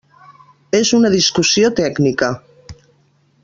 És una discussió tècnica.